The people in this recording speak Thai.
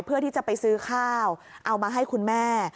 เพื่อที่จะไปซื้อข้าวเอามาให้คุณแม่